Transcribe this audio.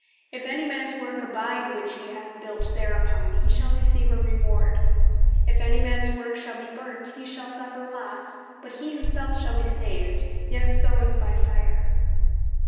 If any mans work abide, which he hath built thereupon, he shall receive a reward: If any mans work shall bee burnt, he shall suffer losse; but he himself shall be saved, yet so as by fire."